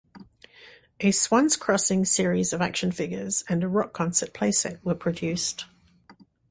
A "Swans Crossing" series of action figures and a Rock Concert Playset were produced.